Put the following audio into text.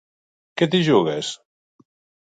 Què t'hi jugues?